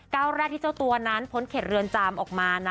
แรกที่เจ้าตัวนั้นพ้นเขตเรือนจำออกมานะ